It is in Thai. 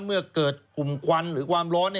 เมื่อเกิดกลุ่มควันหรือความร้อน